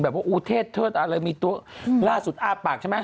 ว่าอูเทศเทิดอะไรมีตัวล่าสุดอ้าปากใช่ไหม